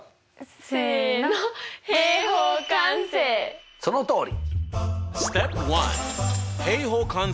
せのそのとおり！